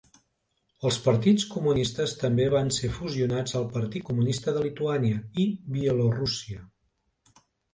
Els partits comunistes també van ser fusionats al Partit Comunista de Lituània i Bielorússia.